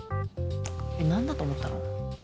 えっなんだと思ったの？